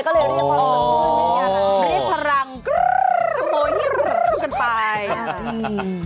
ก็เลยเรียกว่าความสดชื่น